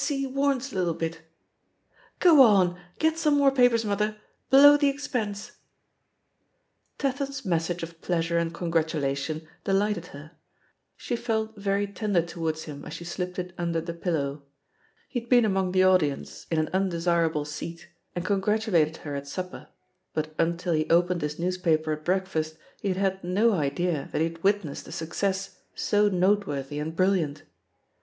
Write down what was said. ... Now let's see Wame's little bit. ••• Go on, get some more papers, mother, blow the expense 1" THE POSITION OF PEGGY HARPER 267 Tatham's message of pleasure and congratula tion delighted her; she felt very tender towards liim as she slipped it under the pillow. He had been among the audience, in an undesirable seat^ and congratulated her at supper, but until he opened his newspaper at breakfast he had had no idea that he had witnessed a success so note worthy and brilliant.